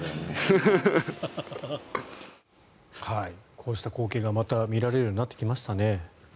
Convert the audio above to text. こうした光景がまた見られるようになってきましたね。